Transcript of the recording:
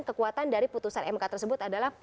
kekuatan dari putusan mk tersebut adalah